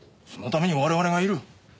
そのために我々がいる。